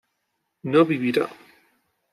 no vivirá